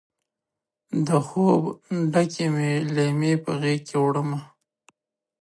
د خوب ډکې مې لیمې په غیږکې وړمه